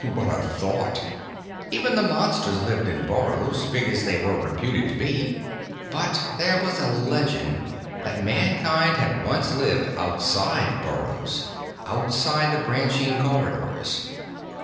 What a thought! Even the Monsters lived in burrows, big as they were reputed to be. But there was a legend that Mankind had once lived outside burrows, outside the branching corridors.